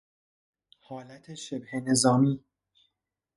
حالت شبه نظامی